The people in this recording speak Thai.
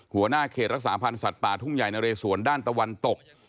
หัวหน้าเขตรักษาพันธ์สัตว์ป่าทุ่งใหญ่นะเรสวนด้านตะวันตก